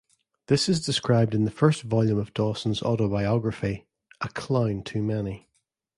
This is described in the first volume of Dawson's autobiography "A Clown Too Many".